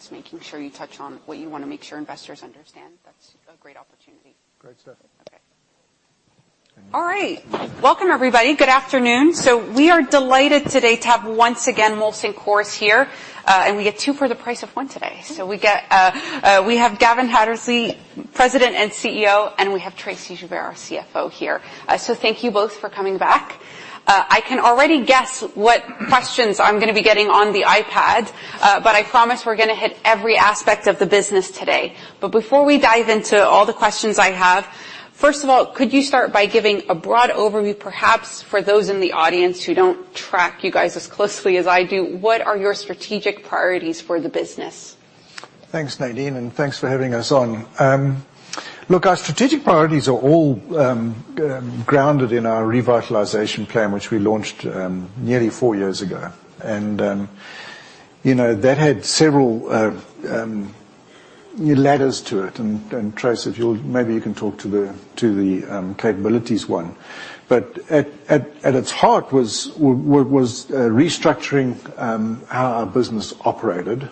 couple minutes making sure you touch on what you want to make sure investors understand, that's a great opportunity. Great stuff. Okay. All right. Welcome, everybody. Good afternoon. We are delighted today to have, once again, Molson Coors here. And we get two for the price of one today. We get, we have Gavin Hattersley, President and CEO, and we have Tracey Joubert, our CFO here. Thank you both for coming back. I can already guess what questions I'm gonna be getting on the iPad, but I promise we're gonna hit every aspect of the business today. Before we dive into all the questions I have, first of all, could you start by giving a broad overview, perhaps for those in the audience who don't track you guys as closely as I do, what are your strategic priorities for the business? Thanks, Nadine, thanks for having us on. Look, our strategic priorities are all grounded in our Revitalization Plan, which we launched nearly 4 years ago. You know, that had several ladders to it. Trace, if you'll, maybe you can talk to the capabilities one. At its heart was restructuring how our business operated.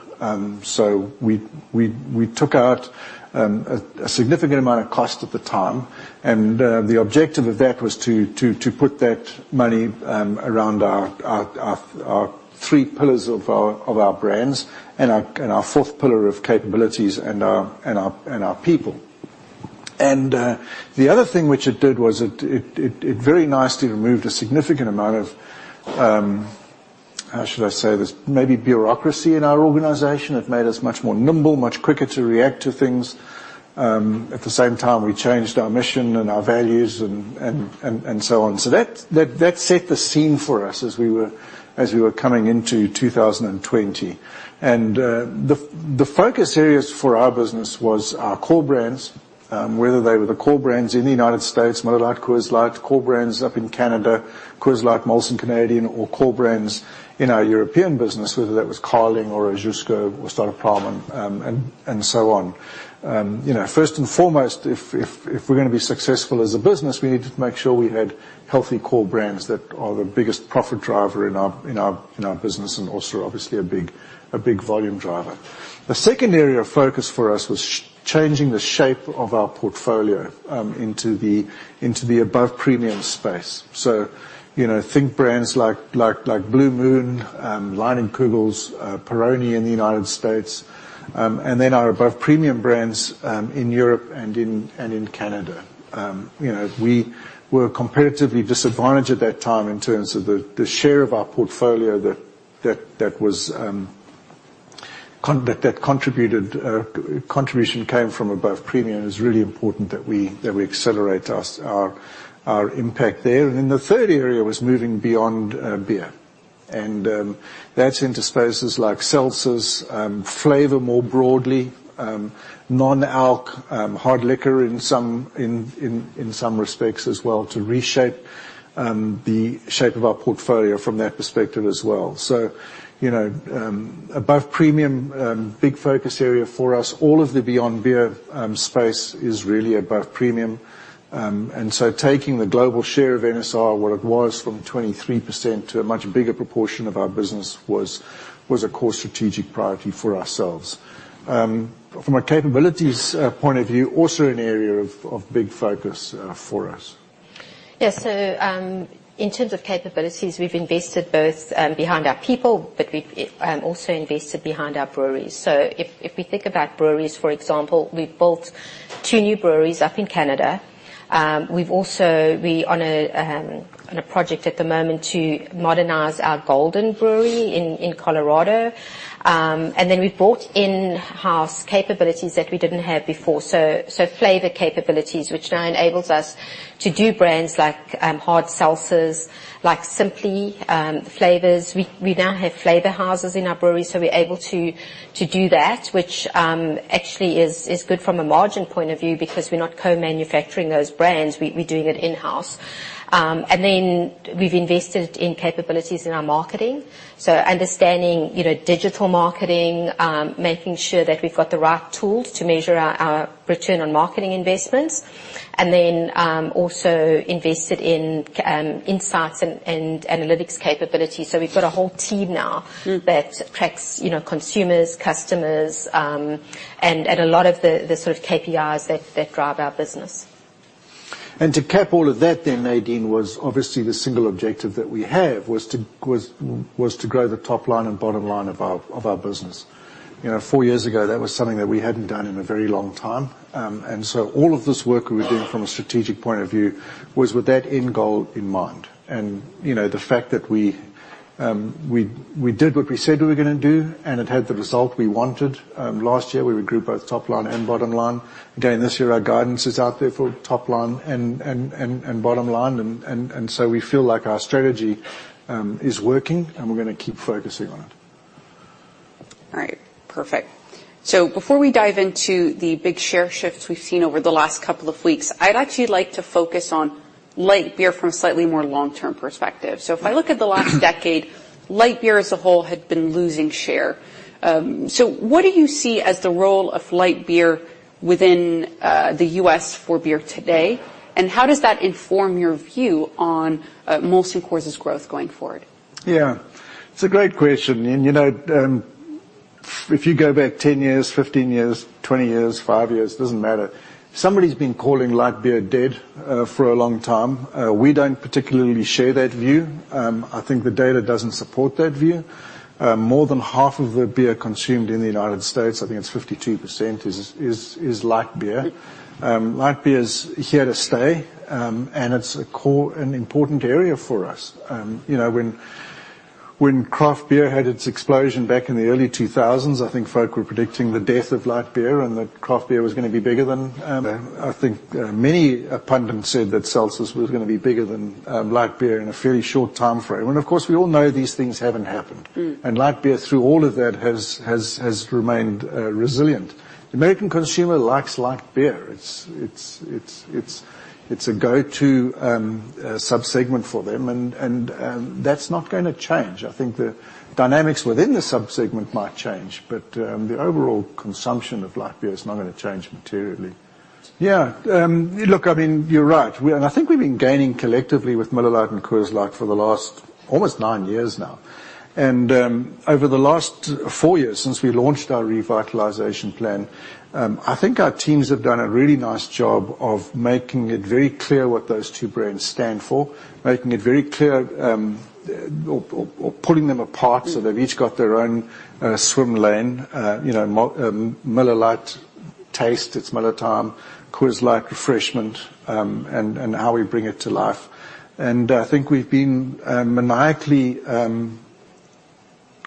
We took out a significant amount of cost at the time, and the objective of that was to put that money around our 3 pillars of our brands and our 4th pillar of capabilities and our people. The other thing which it did was it very nicely removed a significant amount of, how should I say this? Maybe bureaucracy in our organization. It made us much more nimble, much quicker to react to things. At the same time, we changed our mission and our values and so on. That set the scene for us as we were coming into 2020. The focus areas for our business was our core brands, whether they were the core brands in the United States, Miller Lite, Coors Light, core brands up in Canada, Coors Light, Molson Canadian, or core brands in our European business, whether that was Carling or Grolsch or Staropramen, and so on. you know, first and foremost, if we're gonna be successful as a business, we need to make sure we had healthy core brands that are the biggest profit driver in our business, and also obviously a big volume driver. The second area of focus for us was changing the shape of our portfolio into the above premium space. you know, think brands like Blue Moon, Leinenkugel's, Peroni in the United States, and then our above premium brands in Europe and in Canada. you know, we were comparatively disadvantaged at that time in terms of the share of our portfolio that contributed contribution came from above premium. It's really important that we accelerate us, our impact there. The third area was moving beyond beer, and that's into spaces like seltzers, flavor more broadly, non-alc, hard liquor in some respects as well, to reshape the shape of our portfolio from that perspective as well. You know, above premium, big focus area for us. All of the beyond beer space is really above premium. Taking the global share of NSR, what it was from 23% to a much bigger proportion of our business, was a core strategic priority for ourselves. From a capabilities point of view, also an area of big focus for us. Yes. In terms of capabilities, we've invested both, behind our people, but we've, also invested behind our breweries. If we think about breweries, for example, we've built two new breweries up in Canada. We on a project at the moment to modernize our Golden Brewery in Colorado. Then we've bought in-house capabilities that we didn't have before, so flavor capabilities, which now enables us to do brands like, hard seltzers, like Simply, flavors. We now have flavor houses in our brewery, so we're able to do that, which, actually is good from a margin point of view because we're not co-manufacturing those brands. We're doing it in-house. We've invested in capabilities in our marketing, so understanding, you know, digital marketing, making sure that we've got the right tools to measure our return on marketing investments, and then, also invested in insights and analytics capabilities. We've got a whole team now. Mm-hmm. that tracks, you know, consumers, customers, and a lot of the sort of KPIs that drive our business. To cap all of that, Nadine, was obviously the single objective that we have, was to grow the top line and bottom line of our business. You know, four years ago, that was something that we hadn't done in a very long time. All of this work we were doing from a strategic point of view was with that end goal in mind. You know, the fact that we did what we said we were gonna do, and it had the result we wanted. Last year, we grew both top line and bottom line. Again, this year, our guidance is out there for top line and bottom line. We feel like our strategy is working, and we're gonna keep focusing on it. All right. Perfect. Before we dive into the big share shifts we've seen over the last couple of weeks, I'd actually like to focus on light beer from a slightly more long-term perspective. If I look at the last decade, light beer as a whole had been losing share. What do you see as the role of light beer within the U.S. for beer today, and how does that inform your view on Molson Coors's growth going forward? Yeah, it's a great question. If you go back 10 years, 15 years, 20 years, 5 years, doesn't matter, somebody's been calling light beer dead for a long time. We don't particularly share that view. I think the data doesn't support that view. More than half of the beer consumed in the United States, I think it's 52%, is light beer. Light beer is here to stay, it's a core and important area for us. You know, when craft beer had its explosion back in the early 2000s, I think folk were predicting the death of light beer and that craft beer was gonna be bigger than. I think many pundits said that seltzers was gonna be bigger than light beer in a fairly short time frame. Of course, we all know these things haven't happened. Mm. Light beer, through all of that, has remained resilient. The American consumer likes light beer. It's a go-to subsegment for them, and that's not gonna change. I think the dynamics within the subsegment might change, but the overall consumption of light beer is not gonna change materially. Look, I mean, you're right. I think we've been gaining collectively with Miller Lite and Coors Light for the last almost nine years now. Over the last four years, since we launched our Revitalization Plan, I think our teams have done a really nice job of making it very clear what those two brands stand for, making it very clear, or pulling them apart. Mm. They've each got their own swim lane. You know, Miller Lite taste, its Miller time, Coors Light refreshment, and how we bring it to life. I think we've been maniacally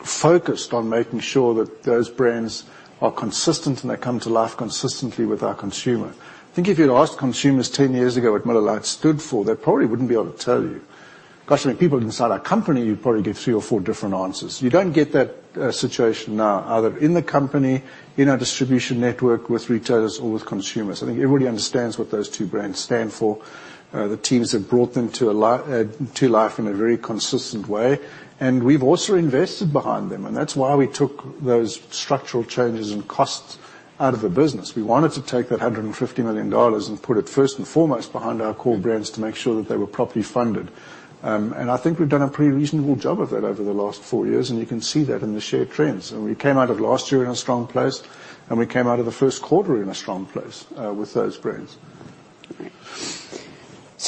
focused on making sure that those brands are consistent, and they come to life consistently with our consumer. If you'd asked consumers 10 years ago what Miller Lite stood for, they probably wouldn't be able to tell you. Gosh, people inside our company, you'd probably get three or four different answers. You don't get that situation now, either in the company, in our distribution network with retailers or with consumers. Everybody understands what those two brands stand for. The teams have brought them to life in a very consistent way, and we've also invested behind them, and that's why we took those structural changes and costs out of the business. We wanted to take that $150 million and put it, first and foremost, behind our core brands to make sure that they were properly funded. I think we've done a pretty reasonable job of that over the last four years, and you can see that in the share trends. We came out of last year in a strong place, and we came out of the first quarter in a strong place, with those brands.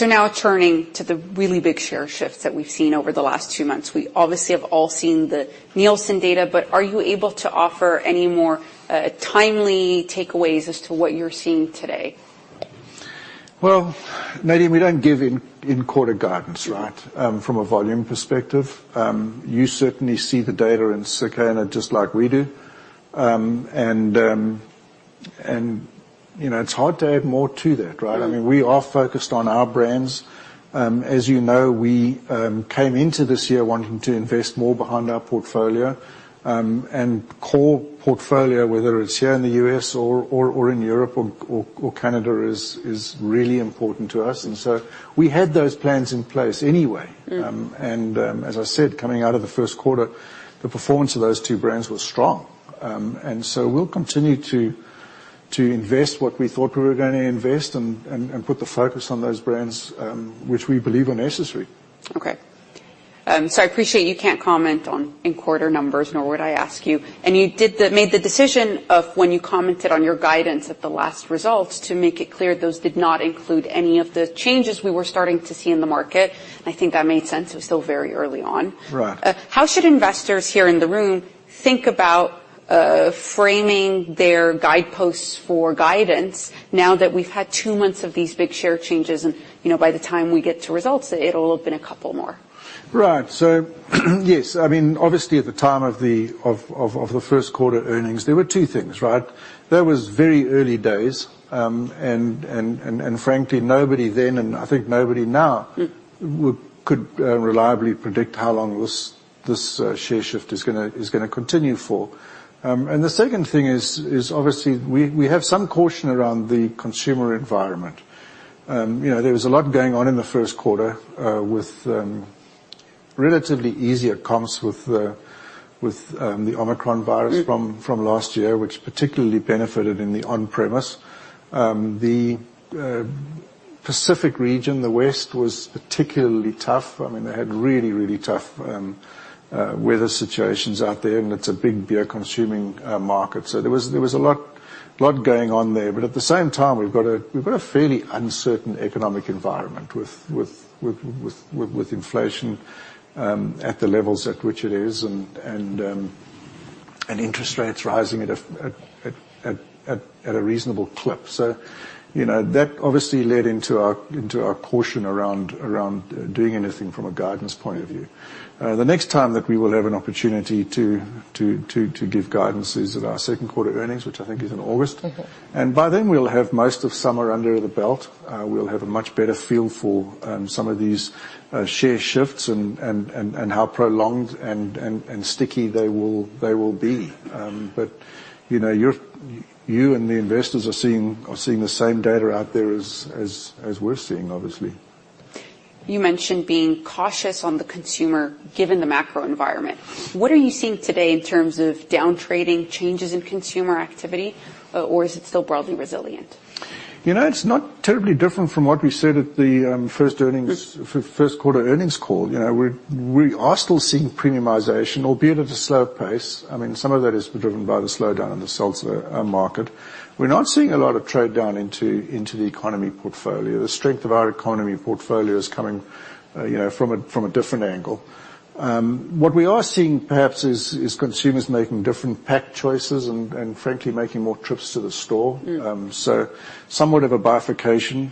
All right. Now turning to the really big share shifts that we've seen over the last 2 months. We obviously have all seen the Nielsen data, but are you able to offer any more timely takeaways as to what you're seeing today? Well, Nadine, we don't give in-quarter guidance, right? Right. From a volume perspective. You certainly see the data in Circana just like we do. You know, it's hard to add more to that, right? Mm. I mean, we are focused on our brands. As you know, we came into this year wanting to invest more behind our portfolio. Core portfolio, whether it is here in the U.S. or in Europe or Canada, is really important to us. We had those plans in place anyway. Mm. As I said, coming out of the first quarter, the performance of those two brands was strong. We'll continue to invest what we thought we were gonna invest and put the focus on those brands, which we believe are necessary. I appreciate you can't comment on in-quarter numbers, nor would I ask you. You made the decision of when you commented on your guidance at the last results, to make it clear those did not include any of the changes we were starting to see in the market. I think that made sense. It was still very early on. Right. How should investors here in the room think about framing their guideposts for guidance now that we've had two months of these big share changes, and, you know, by the time we get to results, it'll have been a couple more? Yes, I mean, obviously, at the time of the first quarter earnings, there were two things, right? There was very early days, and frankly, nobody then, and I think nobody now... Mm... would, could, reliably predict how long this share shift is gonna continue for. The second thing is obviously we have some caution around the consumer environment. You know, there was a lot going on in the first quarter, with relatively easier comps with the Omicron virus. Mm... from last year, which particularly benefited in the on-premise. The Pacific region, the West, was particularly tough. I mean, they had really tough weather situations out there, and it's a big beer-consuming market. There was a lot going on there. At the same time, we've got a fairly uncertain economic environment with inflation at the levels at which it is, and interest rates rising at a reasonable clip. You know, that obviously led into our caution around doing anything from a guidance point of view. The next time that we will have an opportunity to give guidance is at our second quarter earnings, which I think is in August. Mm-hmm. By then, we'll have most of summer under the belt. We'll have a much better feel for some of these share shifts and how prolonged and sticky they will be. You know, you and the investors are seeing the same data out there as we're seeing, obviously. You mentioned being cautious on the consumer, given the macro environment. What are you seeing today in terms of downtrading, changes in consumer activity, or is it still broadly resilient? You know, it's not terribly different from what we said at the first quarter earnings call. You know, we are still seeing premiumization, albeit at a slow pace. I mean, some of that is driven by the slowdown in the seltzer market. We're not seeing a lot of trade down into the economy portfolio. The strength of our economy portfolio is coming, you know, from a different angle. What we are seeing, perhaps, is consumers making different pack choices and, frankly, making more trips to the store. Mm. Somewhat of a bifurcation.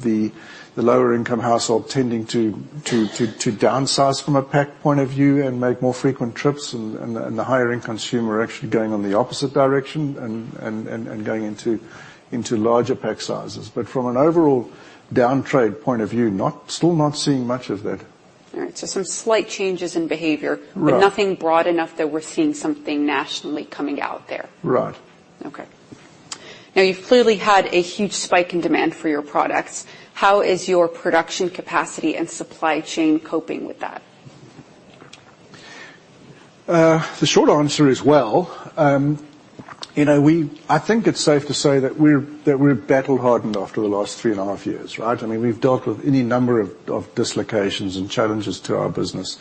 The lower income household tending to downsize from a pack point of view and make more frequent trips, and the higher income consumer actually going on the opposite direction and going into larger pack sizes. From an overall downtrade point of view, still not seeing much of that. All right, some slight changes in behavior- Right. nothing broad enough that we're seeing something nationally coming out there. Right. Okay. Now, you've clearly had a huge spike in demand for your products. How is your production capacity and supply chain coping with that? The short answer is well. You know, we I think it's safe to say that we're battle-hardened after the last 3 and a half years, right? I mean, we've dealt with any number of dislocations and challenges to our business,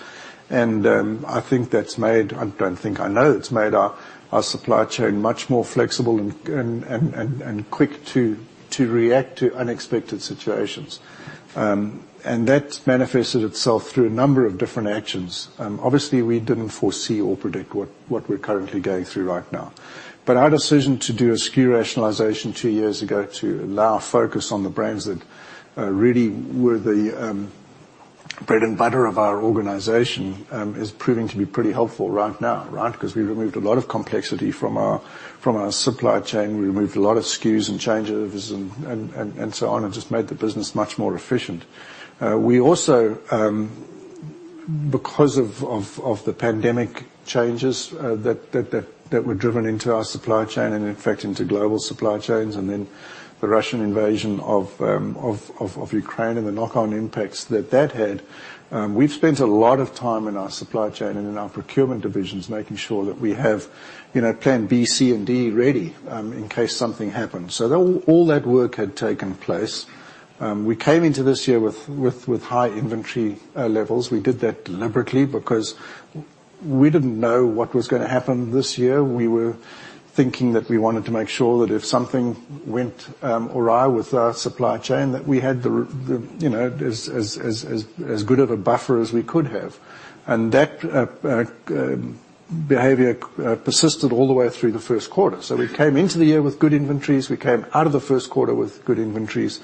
and I don't think, I know it's made our supply chain much more flexible and quick to react to unexpected situations. That manifested itself through a number of different actions. Obviously, we didn't foresee or predict what we're currently going through right now, but our decision to do a SKU rationalization 2 years ago to allow focus on the brands that really were the bread and butter of our organization, is proving to be pretty helpful right now, right? Because we removed a lot of complexity from our supply chain. We removed a lot of SKUs and changes and so on, and just made the business much more efficient. We also, because of the pandemic changes that were driven into our supply chain and in fact into global supply chains, and then the Russian invasion of Ukraine and the knock-on impacts that had, we've spent a lot of time in our supply chain and in our procurement divisions, making sure that we have, you know, plan B, C, and D ready, in case something happens. All that work had taken place. We came into this year with high inventory levels. We did that deliberately, because we didn't know what was gonna happen this year. We were thinking that we wanted to make sure that if something went awry with our supply chain, that we had the, you know, as good of a buffer as we could have. That behavior persisted all the way through the first quarter. We came into the year with good inventories, we came out of the first quarter with good inventories,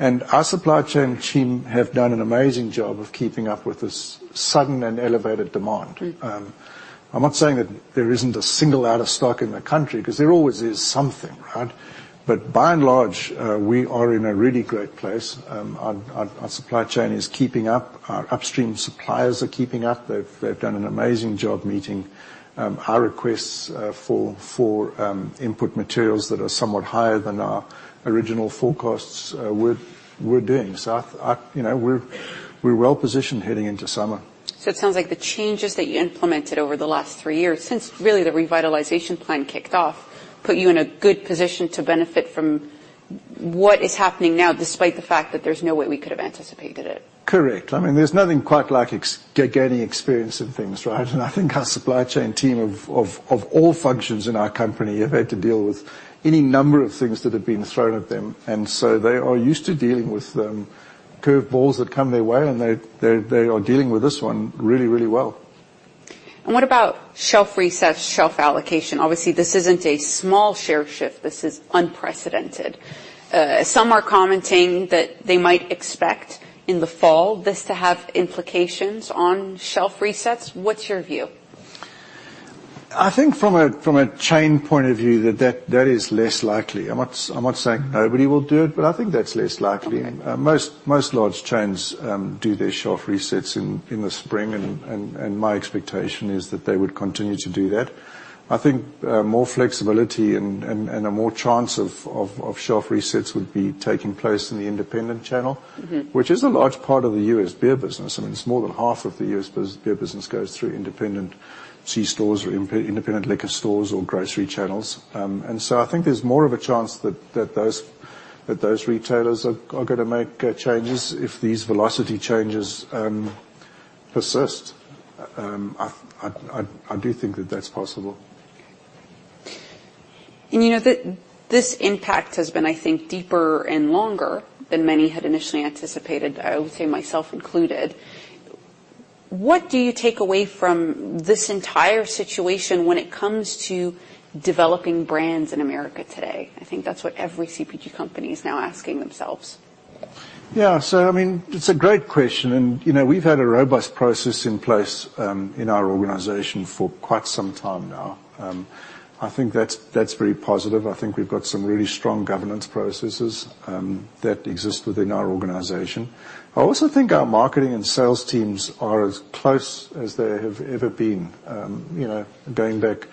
and our supply chain team have done an amazing job of keeping up with this sudden and elevated demand. Mm. I'm not saying that there isn't a single out of stock in the country, 'cause there always is something, right? By and large, we are in a really great place. Our supply chain is keeping up. Our upstream suppliers are keeping up. They've done an amazing job meeting our requests for input materials that are somewhat higher than our original forecasts, we're doing. I, you know, we're well positioned heading into summer. It sounds like the changes that you implemented over the last three years, since, really, the Revitalization Plan kicked off, put you in a good position to benefit from what is happening now, despite the fact that there's no way we could have anticipated it. Correct. I mean, there's nothing quite like getting experience in things, right? I think our supply chain team of all functions in our company have had to deal with any number of things that have been thrown at them. They are used to dealing with curve balls that come their way. They are dealing with this one really, really well. What about shelf resets, shelf allocation? Obviously, this isn't a small share shift. This is unprecedented. Some are commenting that they might expect, in the fall, this to have implications on shelf resets. What's your view? I think from a chain point of view, that is less likely. I'm not saying nobody will do it, but I think that's less likely. Okay. Most large chains do their shelf resets in the spring, and my expectation is that they would continue to do that. I think, more flexibility and a more chance of shelf resets would be taking place in the independent channel. Mm-hmm... which is a large part of the U.S. beer business. I mean, it's more than half of the U.S. beer business goes through independent C stores or independent liquor stores or grocery channels. I think there's more of a chance that those retailers are gonna make changes if these velocity changes persist. I do think that that's possible. You know, this impact has been, I think, deeper and longer than many had initially anticipated, I would say, myself included. What do you take away from this entire situation when it comes to developing brands in America today? I think that's what every CPG company is now asking themselves. I mean, it's a great question. You know, we've had a robust process in place in our organization for quite some time now. I think that's very positive. I think we've got some really strong governance processes that exist within our organization. I also think our marketing and sales teams are as close as they have ever been. You know, going back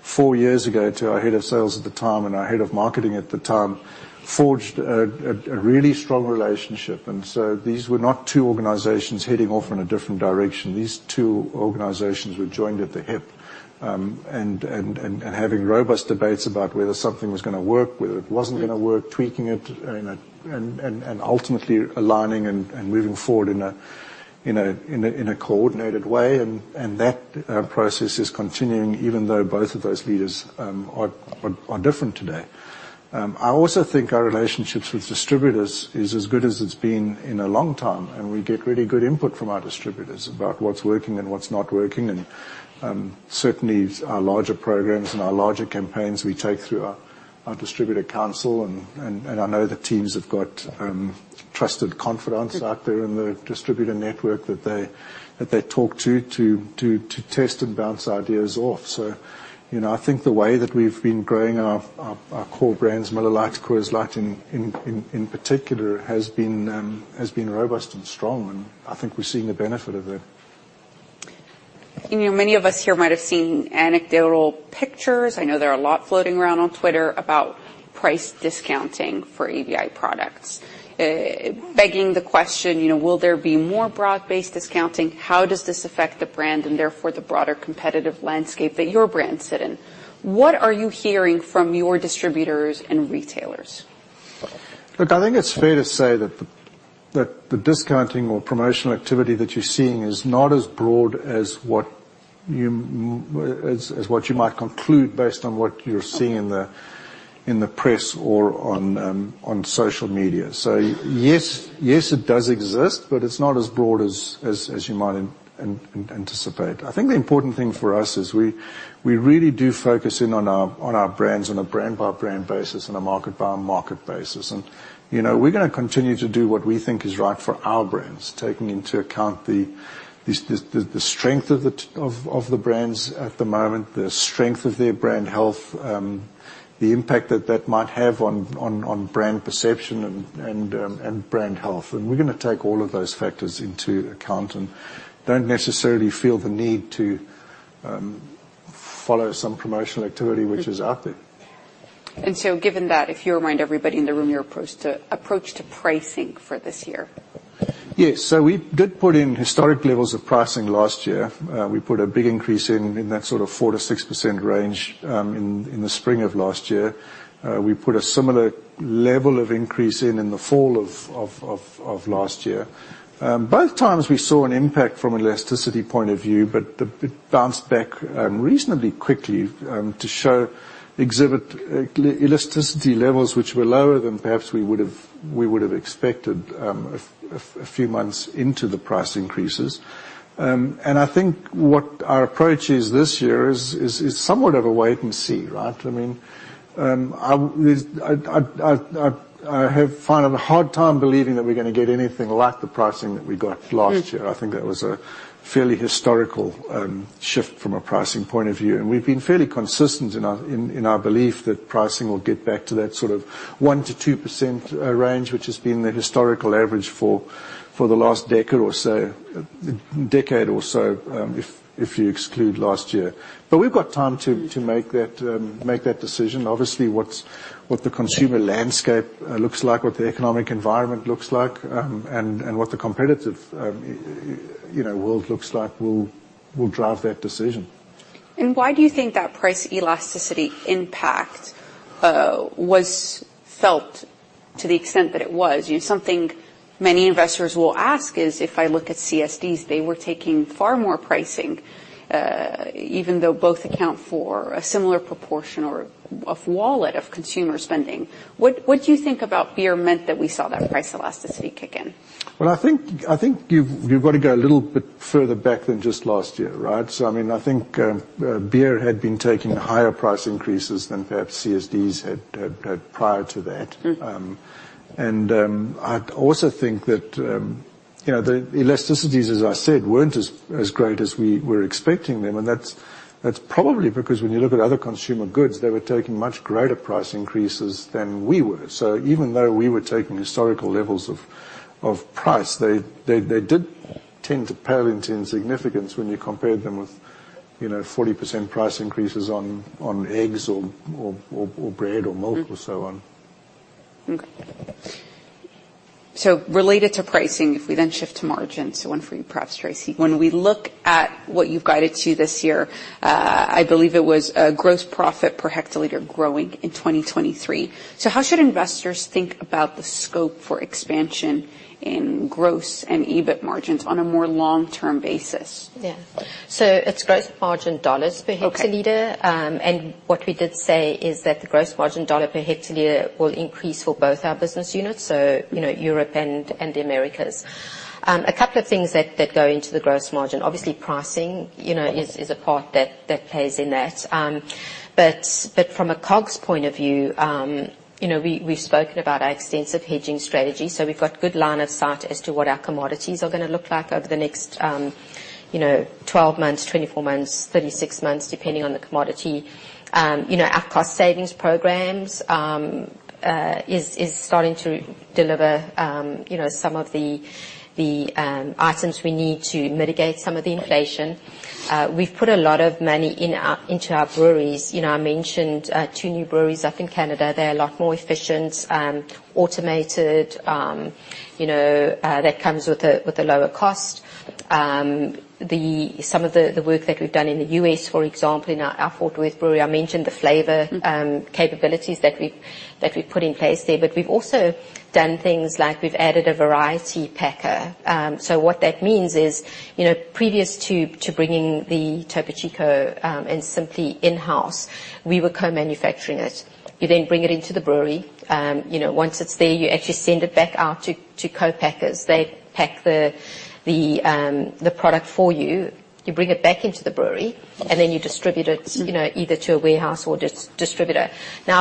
four years ago to our head of sales at the time, and our head of marketing at the time, forged a really strong relationship, and so these were not two organizations heading off in a different direction. These two organizations were joined at the hip, and having robust debates about whether something was gonna work, whether it wasn't gonna work. Yeah... tweaking it, and ultimately aligning and moving forward in a coordinated way, and that process is continuing, even though both of those leaders are different today. I also think our relationships with distributors is as good as it's been in a long time, and we get really good input from our distributors about what's working and what's not working, and certainly our larger programs and our larger campaigns, we take through our distributor council, and I know the teams have got trusted confidants out there in the distributor network that they talk to to test and bounce ideas off. You know, I think the way that we've been growing our core brands, Miller Lite, Coors Light, in particular, has been robust and strong, and I think we're seeing the benefit of that. You know, many of us here might have seen anecdotal pictures, I know there are a lot floating around on Twitter, about price discounting for ABI products. Begging the question, you know, will there be more broad-based discounting? How does this affect the brand, and therefore, the broader competitive landscape that your brands sit in? What are you hearing from your distributors and retailers? Look, I think it's fair to say that the discounting or promotional activity that you're seeing is not as broad as what you might conclude, based on what you're seeing in the press or on social media. Yes, it does exist, but it's not as broad as you might anticipate. I think the important thing for us is we really do focus in on our brands, on a brand-by-brand basis, on a market-by-market basis, and, you know, we're gonna continue to do what we think is right for our brands, taking into account the strength of the brands at the moment, the strength of their brand health, the impact that that might have on brand perception and brand health. We're gonna take all of those factors into account, and don't necessarily feel the need to follow some promotional activity which is out there. Given that, if you remind everybody in the room, your approach to pricing for this year? Yes. We did put in historic levels of pricing last year. We put a big increase in that sort of 4%-6% range in the spring of last year. We put a similar level of increase in the fall of last year. Both times, we saw an impact from an elasticity point of view, but it bounced back reasonably quickly to show, exhibit elasticity levels, which were lower than perhaps we would've expected a few months into the price increases. I think what our approach is this year is somewhat of a wait and see, right? I mean, I find a hard time believing that we're gonna get anything like the pricing that we got last year. Mm. I think that was a fairly historical shift from a pricing point of view. We've been fairly consistent in our belief that pricing will get back to that sort of 1%-2% range, which has been the historical average for the last decade or so, if you exclude last year. We've got time to make that decision. Obviously, what the consumer landscape looks like, what the economic environment looks like, and what the competitive, you know, world looks like will drive that decision. Why do you think that price elasticity impact was felt to the extent that it was? You know, something many investors will ask is, if I look at CSDs, they were taking far more pricing, even though both account for a similar proportion or of wallet, of consumer spending. What do you think about beer meant that we saw that price elasticity kick in? I think you've got to go a little bit further back than just last year, right? I mean, I think, beer had been taking higher price increases than perhaps CSDs had prior to that. Mm. I also think that the elasticities weren't as great as we were expecting them, and that's probably because when you look at other consumer goods, they were taking much greater price increases than we were. Even though we were taking historical levels of price, they did tend to pale into insignificance when you compared them with 40% price increases on eggs or bread or milk. Mm or so on. Related to pricing, if we shift to margins, one for you, perhaps, Tracey. When we look at what you've guided to this year, I believe it was a gross profit per hectoliter growing in 2023. How should investors think about the scope for expansion in gross and EBIT margins on a more long-term basis? Yeah. It's gross margin dollars per hectoliter. Okay. What we did say is that the gross margin dollar per hectoliter will increase for both our business units, so, you know, Europe and the Americas. A couple of things that go into the gross margin. Obviously, pricing, you know, is a part that plays in that. From a COGS point of view, you know, we've spoken about our extensive hedging strategy, so we've got good line of sight as to what our commodities are gonna look like over the next, you know, 12 months, 24 months, 36 months, depending on the commodity. You know, our cost savings programs is starting to deliver, you know, some of the items we need to mitigate some of the inflation. We've put a lot of money into our breweries. You know, I mentioned two new breweries up in Canada. They are a lot more efficient, automated. You know, that comes with a lower cost. The work that we've done in the U.S., for example, in our Fort Worth brewery, I mentioned the. Mm capabilities that we've put in place there, but we've also done things like we've added a variety packer. what that means is, you know, previous to bringing the Topo Chico and Simply in-house, we were co-manufacturing it. You bring it into the brewery. You know, once it's there, you actually send it back out to co-packers. They pack the product for you. You bring it back into the brewery, you distribute it. Mm... you know, either to a warehouse or distributor.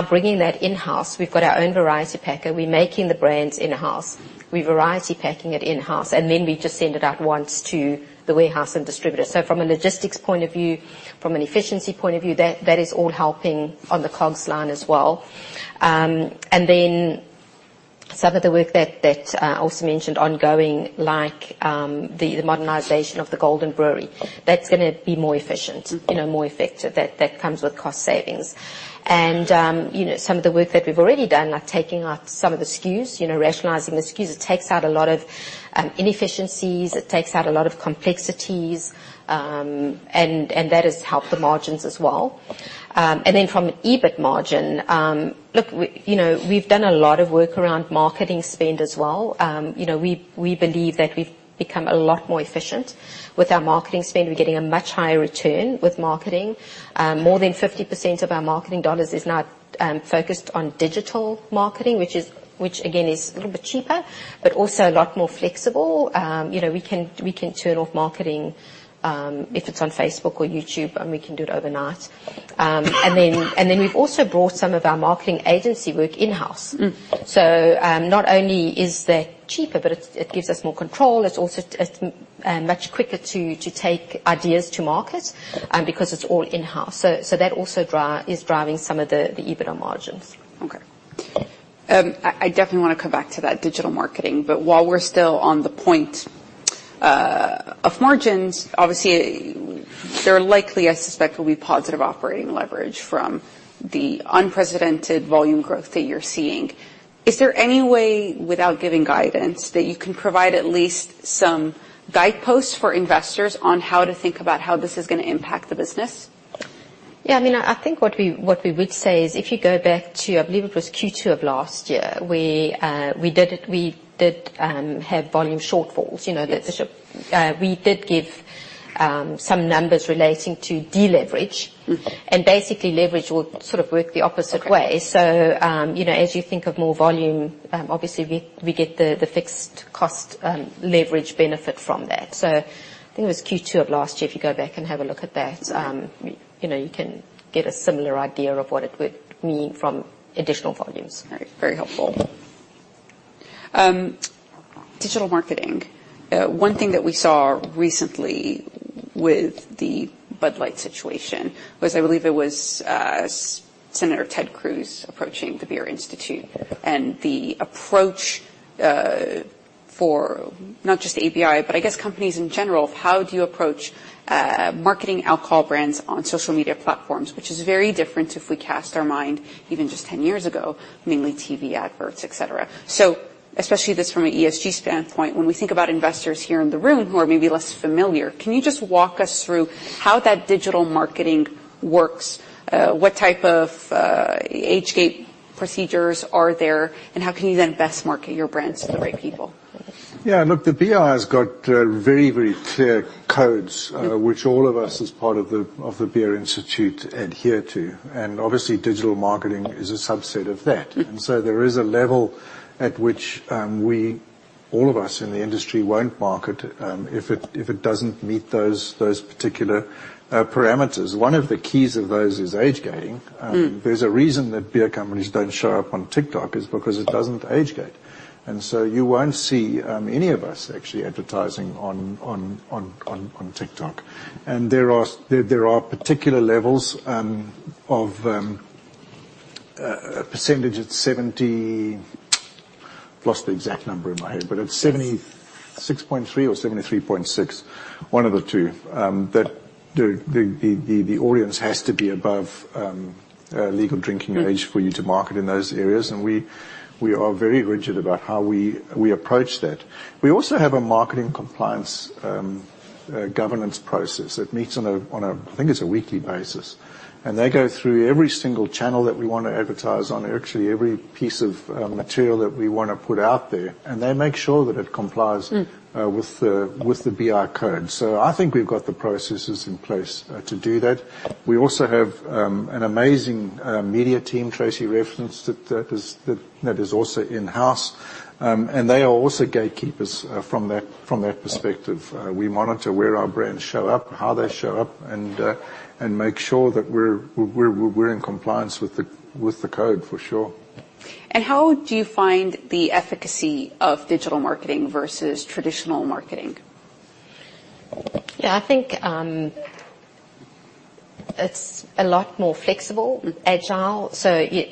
Bringing that in-house, we've got our own variety packer. We're making the brands in-house. We're variety packing it in-house, we just send it out once to the warehouse and distributors. From a logistics point of view, from an efficiency point of view, that is all helping on the COGS line as well. Some of the work that I also mentioned ongoing, like the modernization of the Golden Brewery, that's gonna be more efficient, you know, more effective. That comes with cost savings. You know, some of the work that we've already done, like taking off some of the SKUs, you know, rationalizing the SKUs, it takes out a lot of inefficiencies, it takes out a lot of complexities, and that has helped the margins as well. Then from an EBIT margin, look, we, you know, we've done a lot of work around marketing spend as well. You know, we believe that we've become a lot more efficient with our marketing spend. We're getting a much higher return with marketing. More than 50% of our marketing dollars is now focused on digital marketing, which, again, is a little bit cheaper, but also a lot more flexible. you know, we can turn off marketing, if it's on Facebook or YouTube, and we can do it overnight. We've also brought some of our marketing agency work in-house. Mm. Not only is that cheaper, but it gives us more control. It's also much quicker to take ideas to market because it's all in-house. That also is driving some of the EBITDA margins. Okay. I definitely wanna come back to that digital marketing, while we're still on the point of margins, obviously, there likely, I suspect, will be positive operating leverage from the unprecedented volume growth that you're seeing. Is there any way, without giving guidance, that you can provide at least some guideposts for investors on how to think about how this is gonna impact the business? Yeah, I mean, I think what we, what we would say is, if you go back to, I believe it was Q2 of last year, we did have volume shortfalls. You know. Yes. We did give some numbers relating to deleverage. Mm-hmm. Basically, leverage will sort of work the opposite way. Okay. You know, as you think of more volume, obviously, we get the fixed cost, leverage benefit from that. I think it was Q2 of last year, if you go back and have a look at that, you know, you can get a similar idea of what it would mean from additional volumes. All right. Very helpful. Digital marketing. One thing that we saw recently with the Bud Light situation was, I believe it was Senator Ted Cruz approaching the Beer Institute, and the approach for not just ABI, but I guess companies in general, how do you approach marketing alcohol brands on social media platforms? Which is very different if we cast our mind even just 10 years ago, mainly TV adverts, et cetera. Especially this from an ESG standpoint, when we think about investors here in the room who are maybe less familiar, can you just walk us through how that digital marketing works? What type of age gate procedures are there, and how can you then best market your brands to the right people? Yeah, look, the BI has got very, very clear codes, which all of us, as part of the Beer Institute, adhere to, and obviously, digital marketing is a subset of that. Mm-hmm. There is a level at which, we, all of us in the industry, won't market, if it doesn't meet those particular parameters. One of the keys of those is age gating. Mm. There's a reason that beer companies don't show up on TikTok, is because it doesn't age-gate. You won't see any of us actually advertising on TikTok. There are particular levels of a percentage, it's Lost the exact number in my head, but it's 76.3 or 73.6, one of the two, that the audience has to be above legal drinking age... Mm... for you to market in those areas, and we are very rigid about how we approach that. We also have a marketing compliance governance process that meets on a, I think, it's a weekly basis. They go through every single channel that we want to advertise on, actually every piece of material that we want to put out there, and they make sure that it complies- Mm with the BI code. I think we've got the processes in place to do that. We also have an amazing media team, Tracey referenced, that is also in-house. They are also gatekeepers from that perspective. We monitor where our brands show up, how they show up, and make sure that we're in compliance with the code, for sure. How do you find the efficacy of digital marketing versus traditional marketing? Yeah, I think, it's a lot more. Mm... agile,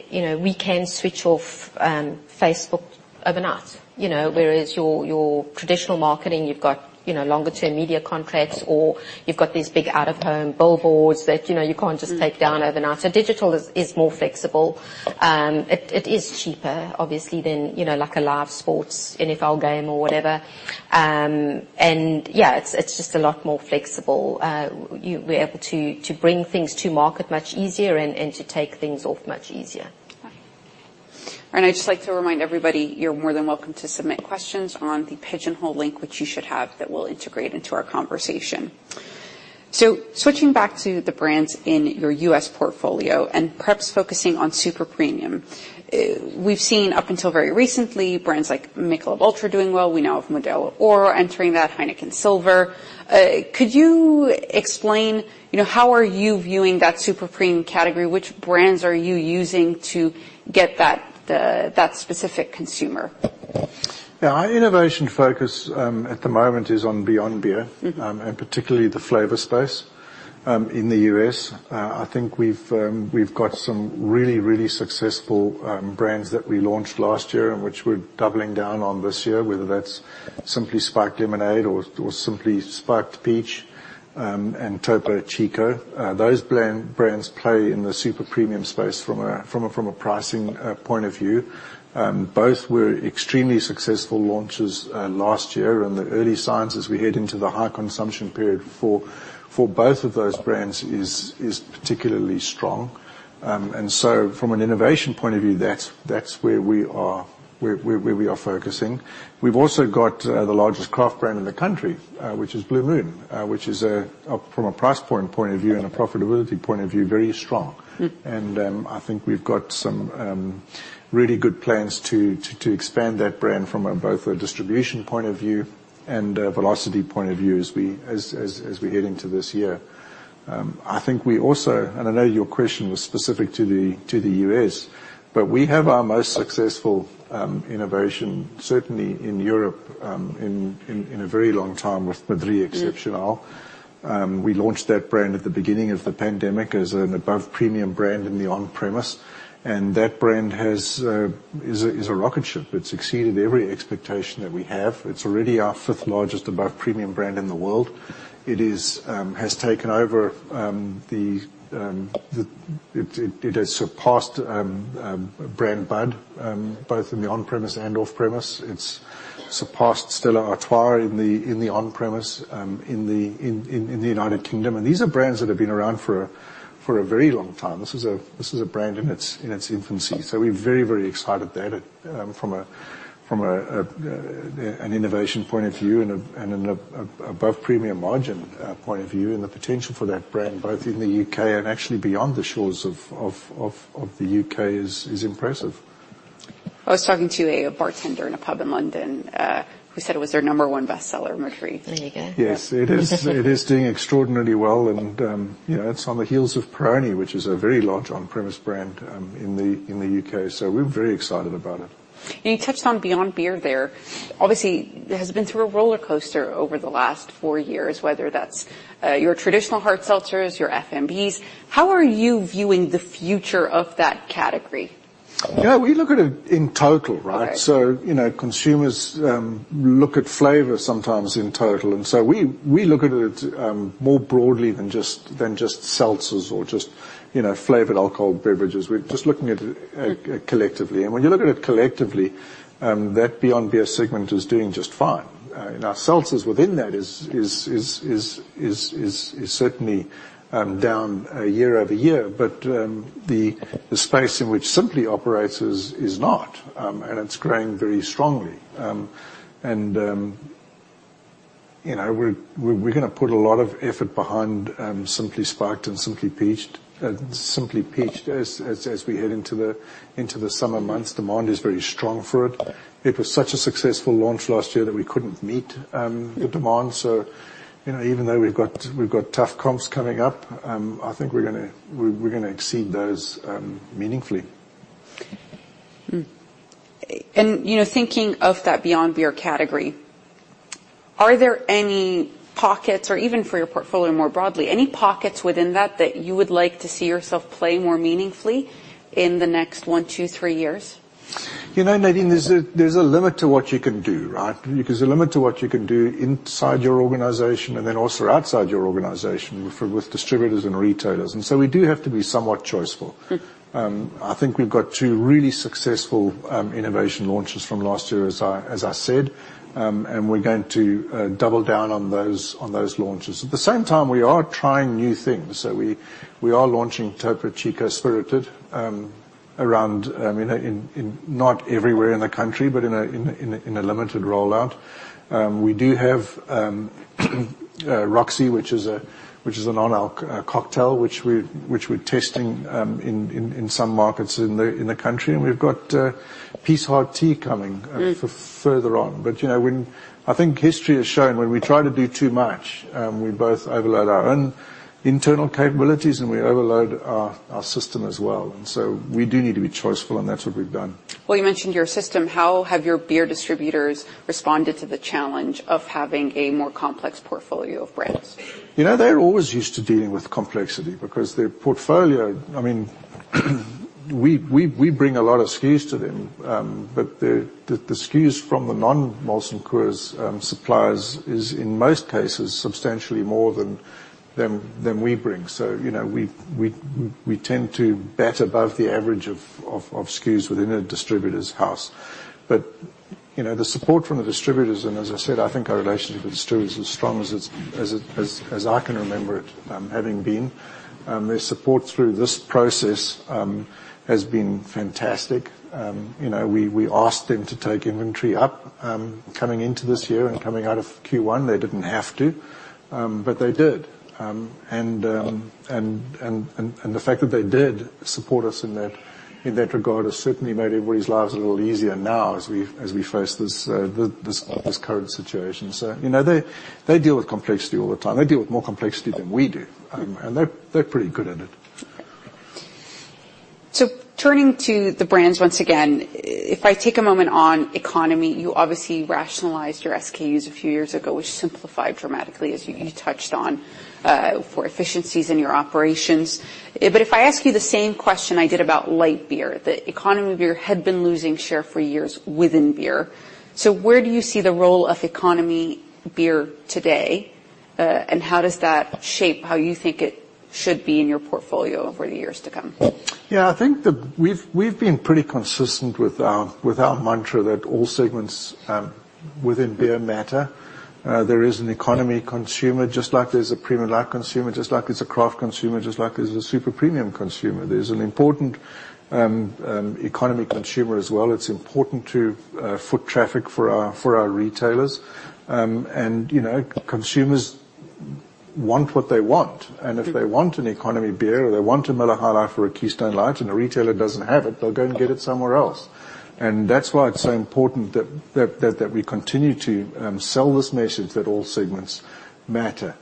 you know, we can switch off, Facebook overnight. You know, whereas your traditional marketing, you've got, you know, longer term media contracts, or you've got these big out-of-home billboards that, you know, you can't. Mm... take down overnight. Digital is more flexible. It is cheaper, obviously, than, you know, like a live sports, NFL game or whatever. Yeah, it's just a lot more flexible. We're able to bring things to market much easier and to take things off much easier. Okay. I'd just like to remind everybody, you're more than welcome to submit questions on the Pigeonhole link, which you should have, that we'll integrate into our conversation. Switching back to the brands in your U.S. portfolio, and perhaps focusing on super premium, we've seen, up until very recently, brands like Michelob ULTRA doing well. We know of Modelo Oro entering that, Heineken Silver. Could you explain, you know, how are you viewing that super premium category? Which brands are you using to get that specific consumer? Yeah, our innovation focus, at the moment, is on beyond beer- Mm-hmm and particularly the flavor space. in the U.S. I think we've got some really, really successful brands that we launched last year, and which we're doubling down on this year, whether that's Simply Spiked Lemonade or Simply Spiked Peach and Topo Chico. Those brands play in the super premium space from a pricing point of view. Both were extremely successful launches last year, and the early signs as we head into the high consumption period for both of those brands is particularly strong. From an innovation point of view, that's where we are focusing. We've also got, the largest craft brand in the country, which is Blue Moon, which is a, from a price point point of view and a profitability point of view, very strong. Mm. I think we've got some really good plans to expand that brand from a both a distribution point of view and a velocity point of view as we head into this year. I think we also and I know your question was specific to the U.S., but we have our most successful innovation, certainly in Europe, in a very long time with Madrí Excepcional. Mm. We launched that brand at the beginning of the pandemic as an above premium brand in the on-premise, and that brand has, is a rocket ship. It's exceeded every expectation that we have. It's already our fifth largest above premium brand in the world. It is has taken over it has surpassed brand Bud both in the on-premise and off-premise. It's surpassed Stella Artois in the on-premise, in the United Kingdom. These are brands that have been around for a, for a very long time. This is a, this is a brand in its, in its infancy, so we're very, very excited about it, from a, an innovation point of view and a, and an above premium margin point of view. The potential for that brand, both in the UK and actually beyond the shores of the UK, is impressive. I was talking to a bartender in a pub in London, who said it was their number one bestseller, Madrí. There you go. Yes, it is. It is doing extraordinarily well. You know, it's on the heels of Peroni, which is a very large on-premise brand, in the, in the UK. We're very excited about it. You touched on Beyond Beer there. Obviously, it has been through a rollercoaster over the last 4 years, whether that's, your traditional hard seltzers, your FMBs. How are you viewing the future of that category? You know, we look at it in total, right? Right. You know, consumers look at flavor sometimes in total, and so we look at it more broadly than just, than just seltzers or just, you know, flavored alcohol beverages. We're just looking at it collectively. When you look at it collectively, that Beyond Beer segment is doing just fine. Seltzers within that is certainly down year-over-year, but the space in which Simply operates is not, and it's growing very strongly. You know, we're gonna put a lot of effort behind Simply Spiked and Simply Peached. Simply Peached, as we head into the summer months, demand is very strong for it. It was such a successful launch last year that we couldn't meet the demand. You know, even though we've got tough comps coming up, I think we're gonna exceed those meaningfully. you know, thinking of that Beyond Beer category, are there any pockets, or even for your portfolio more broadly, any pockets within that that you would like to see yourself play more meaningfully in the next one, two, three years? You know, Nadine, there's a limit to what you can do, right? There's a limit to what you can do inside your organization and then also outside your organization with distributors and retailers. We do have to be somewhat choiceful. Mm. I think we've got two really successful innovation launches from last year, as I said, and we're going to double down on those launches. At the same time, we are trying new things. We are launching Topo Chico Spirited around in a not everywhere in the country, but in a limited rollout. We do have Roxie, which is a non-alc cocktail, which we're testing in some markets in the country, and we've got Peace Hard Tea coming- Mm further on. You know, when, I think history has shown when we try to do too much, we both overload our own internal capabilities, and we overload our system as well. We do need to be choiceful, and that's what we've done. Well, you mentioned your system. How have your beer distributors responded to the challenge of having a more complex portfolio of brands? You know, they're always used to dealing with complexity because their portfolio, I mean, we bring a lot of SKUs to them. The SKUs from the non-Molson Coors suppliers is, in most cases, substantially more than we bring. You know, we tend to bat above the average of SKUs within a distributor's house. You know, the support from the distributors, and as I said, I think our relationship with distributors is as strong as I can remember it having been. Their support through this process has been fantastic. You know, we asked them to take inventory up coming into this year and coming out of Q1. They didn't have to, they did. The fact that they did support us in that, in that regard, has certainly made everybody's lives a little easier now as we face this current situation. You know, they deal with complexity all the time. They deal with more complexity than we do, and they're pretty good at it. Turning to the brands once again, if I take a moment on economy, you obviously rationalized your SKUs a few years ago, which simplified dramatically, as you touched on, for efficiencies in your operations. If I ask you the same question I did about light beer, the economy beer had been losing share for years within beer. Where do you see the role of economy beer today, and how does that shape how you think it should be in your portfolio for the years to come? Yeah, I think we've been pretty consistent with our mantra that all segments within beer matter. There is an economy consumer, just like there's a premium light consumer, just like there's a craft consumer, just like there's a super premium consumer. There's an important economy consumer as well. It's important to foot traffic for our retailers. You know, consumers want what they want, and if they want an economy beer, or they want a Miller High Life or a Keystone Light, and a retailer doesn't have it, they'll go and get it somewhere else. That's why it's so important that we continue to sell this message that all segments matter.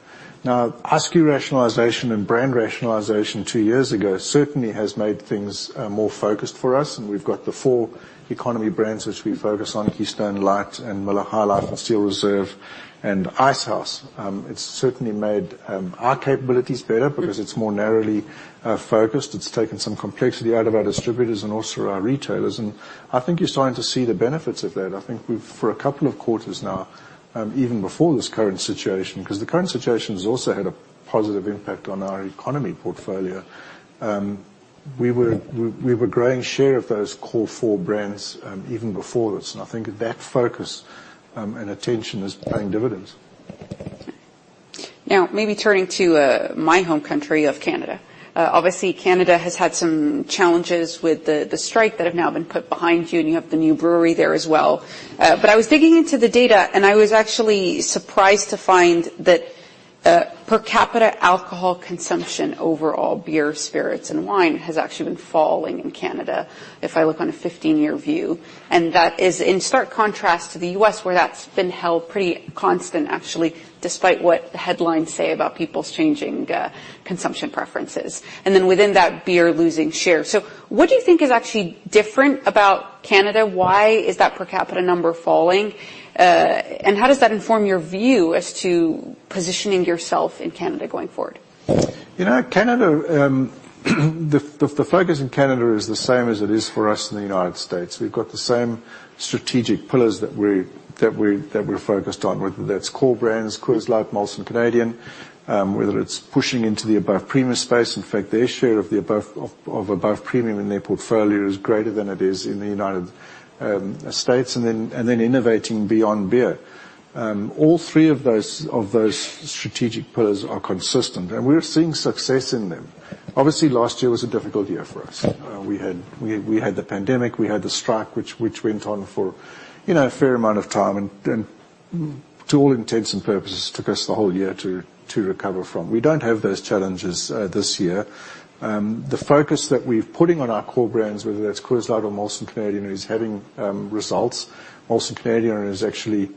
SKU rationalization and brand rationalization 2 years ago certainly has made things more focused for us. We've got the 4 economy brands which we focus on, Keystone Light and Miller High Life and Steel Reserve and Icehouse. It's certainly made our capabilities better because it's more narrowly focused. It's taken some complexity out of our distributors and also our retailers. I think you're starting to see the benefits of that. I think we've, for 2 quarters now, even before this current situation, 'cause the current situation has also had a positive impact on our economy portfolio, we were growing share of those core 4 brands even before this. I think that focus and attention is paying dividends. Maybe turning to my home country of Canada. Obviously, Canada has had some challenges with the strike that have now been put behind you, and you have the new brewery there as well. I was digging into the data, and I was actually surprised to find that per capita alcohol consumption overall, beer, spirits, and wine, has actually been falling in Canada if I look on a 15-year view. That is in stark contrast to the U.S., where that's been held pretty constant, actually, despite what the headlines say about people's changing consumption preferences. Within that, beer losing share. What do you think is actually different about Canada? Why is that per capita number falling? How does that inform your view as to positioning yourself in Canada going forward? You know, Canada, the focus in Canada is the same as it is for us in the United States. We've got the same strategic pillars that we're focused on, whether that's core brands, Coors Light, Molson Canadian, whether it's pushing into the above premium space. In fact, their share of the above premium in their portfolio is greater than it is in the United States, innovating beyond beer. All three of those strategic pillars are consistent, and we're seeing success in them. Obviously, last year was a difficult year for us. We had the pandemic, we had the strike, which went on for, you know, a fair amount of time, to all intents and purposes, took us the whole year to recover from. We don't have those challenges, this year. The focus that we're putting on our core brands, whether that's Coors Light or Molson Canadian, is having results. Molson Canadian is actually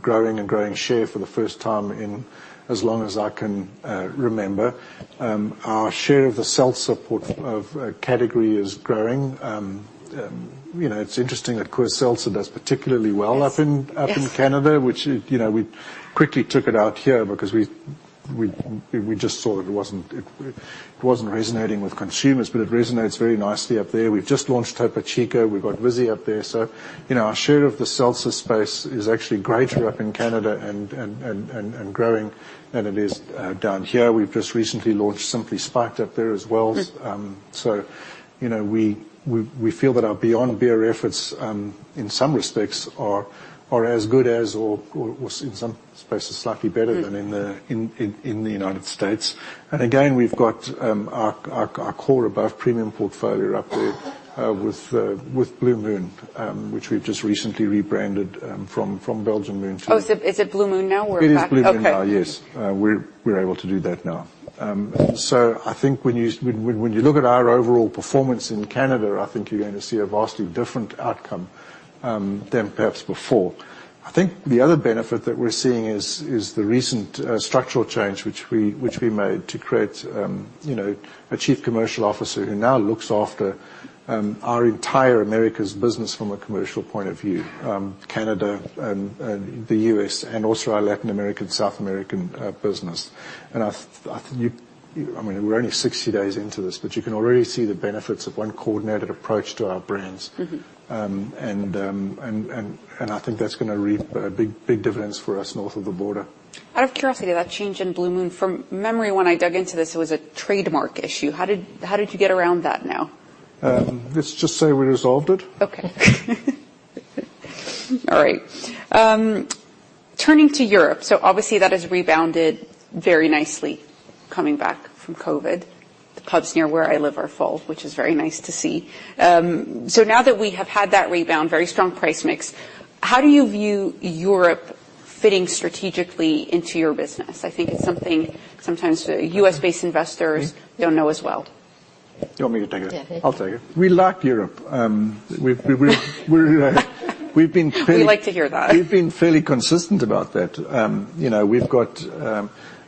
growing and growing share for the first time in as long as I can remember. Our share of the seltzer category is growing. You know, it's interesting that, Coors Seltzer does particularly well. Yes up in Canada. Yes... which, you know, we quickly took it out here because we just thought it wasn't resonating with consumers, but it resonates very nicely up there. We've just launched Topo Chico. We've got Vizzy up there. You know, our share of the seltzer space is actually greater up in Canada and growing than it is down here. We've just recently launched Simply Spiked up there as well. Good. You know, we feel that our beyond beer efforts, in some respects are as good as, or, in some spaces, slightly better... Good than in the United States. Again, we've got our core above premium portfolio up there, with Blue Moon, which we've just recently rebranded from Belgian Moon. Oh, is it Blue Moon now, or back? It is Blue Moon now. Okay. Yes. We're able to do that now. I think when you look at our overall performance in Canada, I think you're going to see a vastly different outcome than perhaps before. I think the other benefit that we're seeing is the recent structural change, which we made to create, you know, a chief commercial officer who now looks after our entire Americas business from a commercial point of view, Canada and the U.S. and also our Latin American, South American business. I mean, we're only 60 days into this, but you can already see the benefits of one coordinated approach to our brands. Mm-hmm. I think that's gonna reap big dividends for us north of the border. Out of curiosity, that change in Blue Moon, from memory, when I dug into this, it was a trademark issue. How did you get around that now? Let's just say we resolved it. Okay. All right. Turning to Europe, obviously, that has rebounded very nicely coming back from Covid. The pubs near where I live are full, which is very nice to see. Now that we have had that rebound, very strong price mix, how do you view Europe fitting strategically into your business? I think it's something sometimes, U.S.-based investors- Mm-hmm don't know as well. You want me to take it? Yeah. I'll take it. We like Europe. We've been fairly- We like to hear that. We've been fairly consistent about that. you know, we've got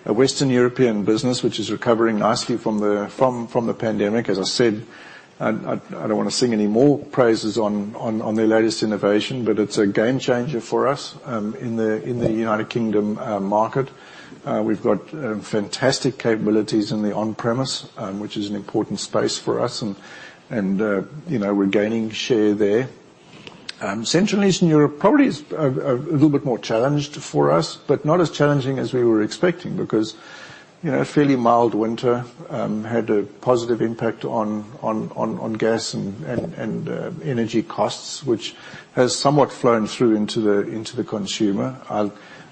a Western European business which is recovering nicely from the pandemic. As I said, I don't wanna sing any more praises on their latest innovation, but it's a game changer for us in the United Kingdom market. We've got fantastic capabilities in the on-premise, which is an important space for us, and you know, we're gaining share there. Central Eastern Europe probably is a little bit more challenged for us, but not as challenging as we were expecting because, you know, a fairly mild winter had a positive impact on gas and energy costs, which has somewhat flown through into the consumer.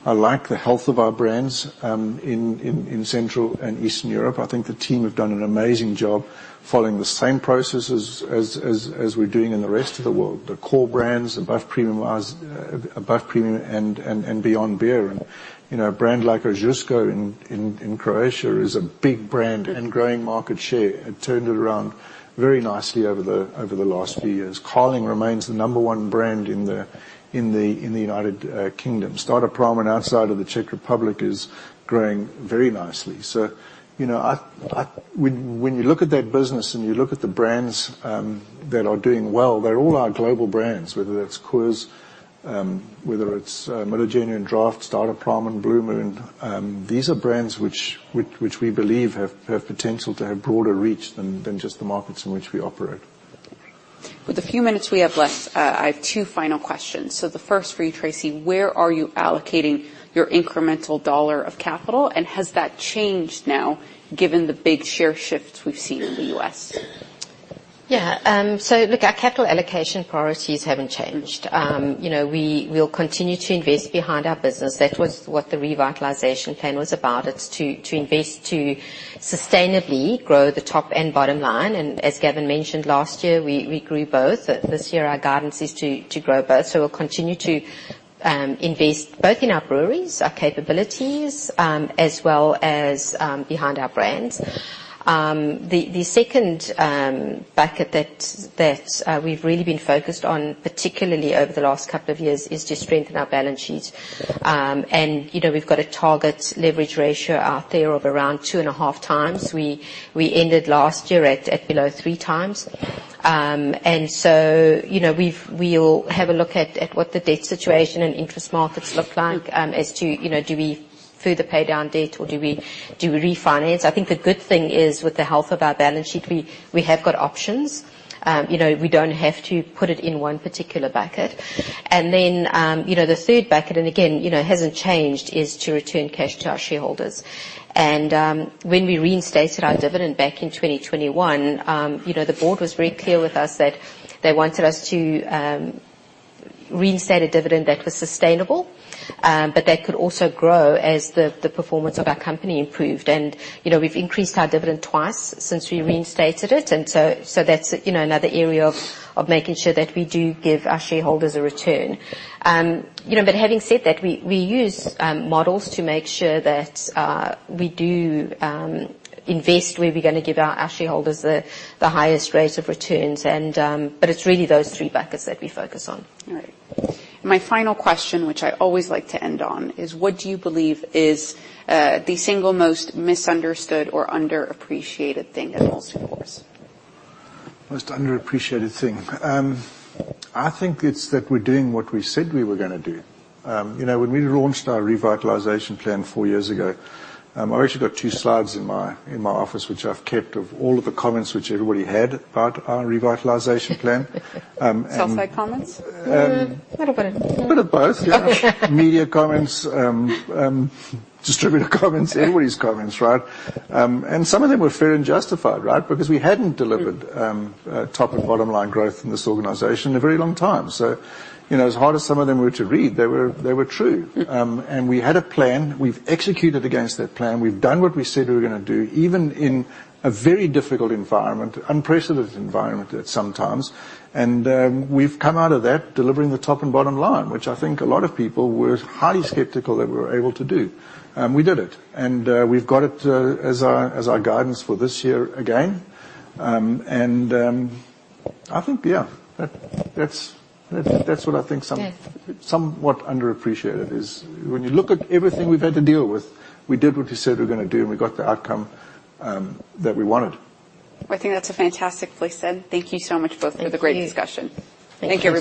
I like the health of our brands in Central and Eastern Europe. I think the team have done an amazing job following the same processes as we're doing in the rest of the world. The core brands, Above Premium and Beyond Beer. You know, a brand like Ožujsko in Croatia is a big brand and growing market share, and turned it around very nicely over the last few years. Carling remains the number one brand in the United Kingdom. Staropramen outside of the Czech Republic is growing very nicely. You know, when you look at that business and you look at the brands that are doing well, they're all our global brands, whether that's Coors, whether it's Miller Genuine Draft, Staropramen, Blue Moon. These are brands which we believe have potential to have broader reach than just the markets in which we operate. With the few minutes we have left, I have two final questions. The first for you, Tracey, where are you allocating your incremental $1 of capital, and has that changed now, given the big share shifts we've seen in the U.S.? Yeah, so look, our capital allocation priorities haven't changed. You know, we'll continue to invest behind our business. That was what the Revitalization Plan was about. It's to invest, to sustainably grow the top and bottom line, and as Gavin mentioned last year, we grew both. This year, our guidance is to grow both. We'll continue to invest both in our breweries, our capabilities, as well as behind our brands. The second bucket that we've really been focused on, particularly over the last couple of years, is to strengthen our balance sheet. You know, we've got a target leverage ratio out there of around 2.5 times. We ended last year at below 3 times. You know, we'll have a look at what the debt situation and interest markets look like, as to, you know, do we further pay down debt or do we refinance? I think the good thing is, with the health of our balance sheet, we have got options. You know, we don't have to put it in one particular bucket. You know, the third bucket, and again, you know, it hasn't changed, is to return cash to our shareholders. When we reinstated our dividend back in 2021, you know, the board was very clear with us that they wanted us to reinstate a dividend that was sustainable, but that could also grow as the performance of our company improved. You know, we've increased our dividend twice since we reinstated it, so that's, you know, another area of making sure that we do give our shareholders a return. You know, having said that, we use models to make sure that we do invest where we're gonna give our shareholders the highest rate of returns, and, but it's really those 3 buckets that we focus on. All right. My final question, which I always like to end on, is: what do you believe is the single most misunderstood or underappreciated thing at Molson Coors? Most underappreciated thing? I think it's that we're doing what we said we were gonna do. You know, when we launched our Revitalization Plan 4 years ago, I've actually got 2 slides in my, in my office, which I've kept of all of the comments which everybody had about our Revitalization Plan. Self-made comments? Little bit. A bit of both, yeah. Media comments, distributor comments, everybody's comments, right? Some of them were fair and justified, right? Because we hadn't delivered top and bottom line growth in this organization in a very long time. You know, as hard as some of them were to read, they were true. We had a plan. We've executed against that plan. We've done what we said we were gonna do, even in a very difficult environment, unprecedented environment at some times. We've come out of that delivering the top and bottom line, which I think a lot of people were highly skeptical that we were able to do. We did it, and we've got it as our guidance for this year again. I think, yeah, that's what I think. Yeah... somewhat underappreciated, is when you look at everything we've had to deal with, we did what we said we were gonna do, and we got the outcome that we wanted. I think that's a fantastic place end. Thank you so much both-. Thank you.... for the great discussion. Thank you, everyone.